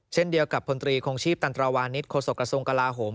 เช่นเดียวกับพลตรีคงชีพตันตราวานิสโฆษกระทรวงกลาโหม